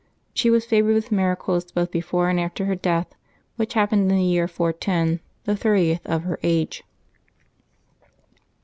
She was favored with miracles both before and after her death, which hap ^ pened in the year 410, the thirtieth of her age.